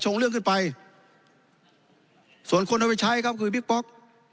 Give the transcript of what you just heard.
เรื่องขึ้นไปส่วนคนเอาไปใช้ครับคือบิ๊กป๊อก